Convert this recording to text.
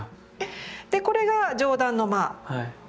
これが上段の間。